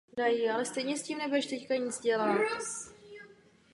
Což je v podstatě velice pozitivní.